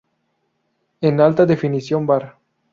En Alta Definición var.